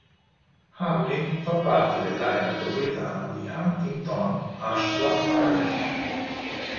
Hamlin fa parte dell'area metropolitana di Huntington-Ashland-Ironton.